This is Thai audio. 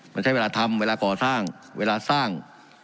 มันใช้เวลาทำเวลาก่อสร้างเวลาสร้าง